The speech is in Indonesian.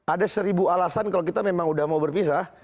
ada seribu alasan kalau kita memang udah mau berpisah